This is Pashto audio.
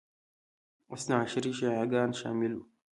اثناعشري شیعه ګان شامل وو